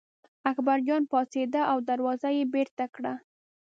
اکبرجان پاڅېد او دروازه یې بېرته کړه.